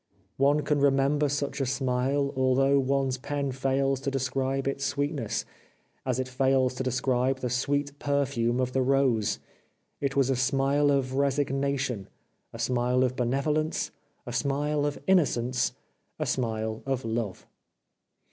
One can remember such a smile although one's pen fails to describe its sweetness, as it fails to describe the sweet perfume of the rose. It was a smile of resignation, a smile of benevolence, a smile of innocence, a smile of love.